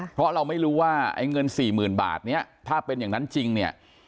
เพราะเราไม่รู้ว่าไอ้เงินสี่หมื่นบาทเนี่ยถ้าเป็นอย่างนั้นจริงเนี่ย